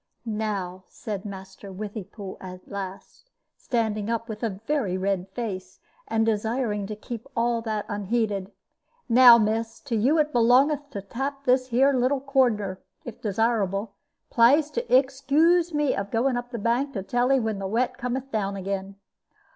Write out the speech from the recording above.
"Now," said Master Withypool at last, standing up, with a very red face, and desiring to keep all that unheeded "now, miss, to you it belongeth to tap this here little cornder, if desirable. Plaise to excoose of me going up of bank to tell 'e when the wet cometh down again."